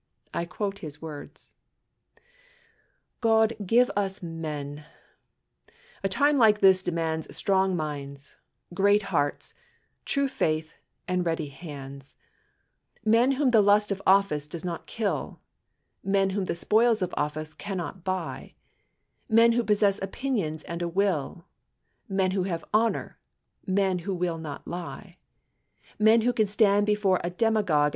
I quote his words : "God give us men ! A time like this demands Strong minds, great hearts, true faith and ready hands ; Men whom the lust of office does not kill ; Men whom the spoils of office cannot buy ; Men who possess opinions and a will ; Men who have honor — men who will not lie ; Men who can stand before a demagogue.